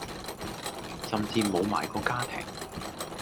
甚至無埋個家庭